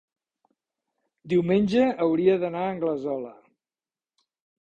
diumenge hauria d'anar a Anglesola.